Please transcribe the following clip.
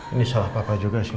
ini salah papa juga sih